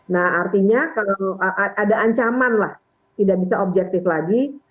nah artinya kalau ada ancaman lah tidak bisa objektif lagi